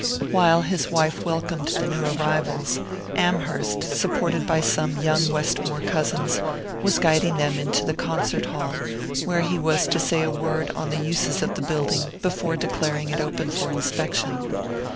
While his wife welcomed the new arrivals, Amherst, supported by some young Westmore cousins, was guiding them into the concert hall, where he was to say a word on the uses of the building before declaring it open for inspection.